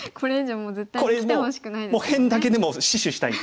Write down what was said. もう辺だけでも死守したい。